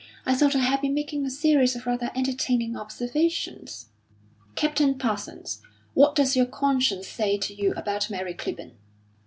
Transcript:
I thought I had been making a series of rather entertaining observations." "Captain Parsons, what does your conscience say to you about Mary Clibborn?"